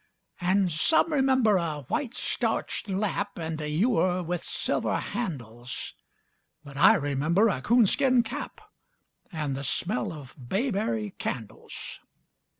And some remember a white, starched lap And a ewer with silver handles; But I remember a coonskin cap And the smell of bayberry candles.